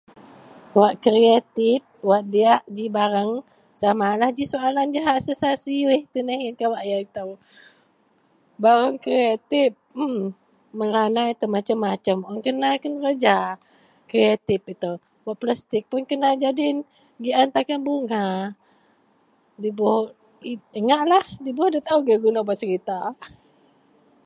Wak kreatip, wak diyak ji bareng, samalah ji soalan jahak sesai seyus yen tuneh kawak yau itou, bareng kreatip ee Melanau itou, masem-masem un kena kenereja kretip itou, wak plastik pun kena jadin gian takan bunga, nda ibuh, dengahlah nda taou agei inou bak serita